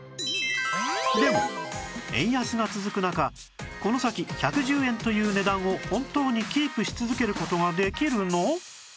でも円安が続く中この先１１０円という値段を本当にキープし続ける事ができるの？